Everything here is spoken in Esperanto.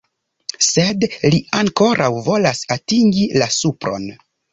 Sed li ankoraŭ volas atingi la supron.